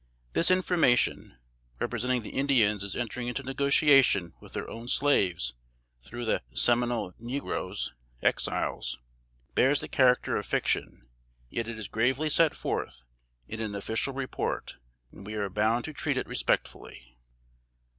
This information, representing the Indians as entering into negotiation with their own slaves through the "Seminole negroes" (Exiles), bears the character of fiction; yet it is gravely set forth in an official report, and we are bound to treat it respectfully.